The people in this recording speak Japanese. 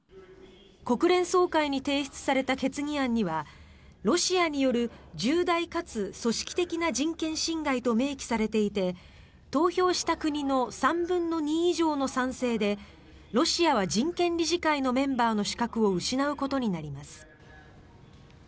国連総会に提出された決議案にはロシアによる重大かつ組織的な人権侵害と明記されていて投票した国の３分の２以上の賛成でロシアは人権理事会のメンバーの資格を失うことになります。